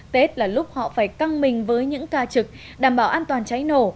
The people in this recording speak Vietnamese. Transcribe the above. tết là lúc họ phải căng mình với những ca trực đảm bảo an toàn cháy nổ